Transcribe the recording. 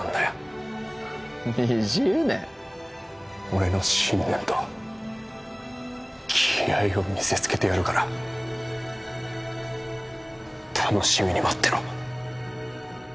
俺の信念と気合を見せつけてやるから楽しみに待ってろ。